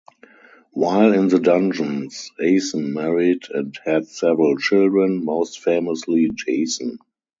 While in the dungeons, Aeson married and had several children, most famously, Jason.